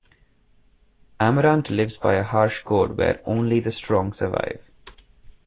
Amarant lives by a harsh code where "only the strong survive".